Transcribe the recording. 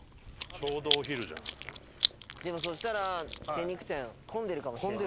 でもそしたら精肉店混んでるかもしれない。